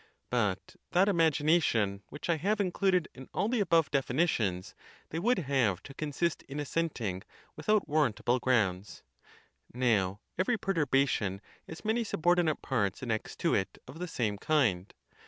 But that imagination, which I have included in all the above definitions, they would have to consist in assenting without warrantable grounds. Now, every perturbation has many subordinate parts annexed to it of the same kind.